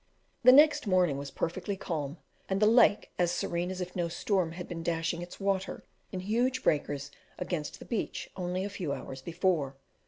The next morning was perfectly calm, and the lake as serene as if no storm had been dashing its water in huge breakers against the beach only a few hours before.